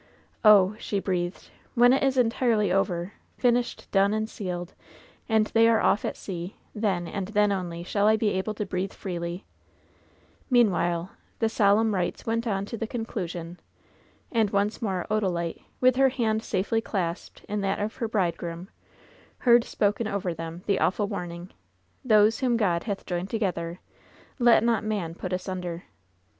"Oh !" she breathed. "When it is entirely over— 'fin ished, done and sealed' — and they are off at sea, then, and then only, shall I be able to breathe freely/' Meanwhile the solemn rites went on to the conclusion, and once more Odalite, with her hand safely clasped in that of her bridegroom, heard spoken over them the awful warning: "Those whom God hath joined together, let not man put asunder."